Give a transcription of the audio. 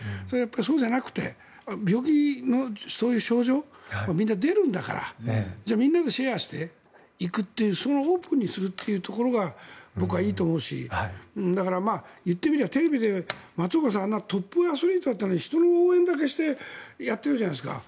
そうじゃなくて病気のそういう症状みんな出るんだからみんなでシェアしていくというオープンにするというところが僕はいいと思うしだから、言ってみればテレビで松岡さん、あんなトップアスリートだったのに人の応援だけしてやってるじゃないですか。